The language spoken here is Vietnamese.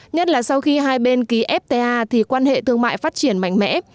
nhất là sau khi hai bên ký fta thì quan hệ thương mại phát triển mạnh mẽ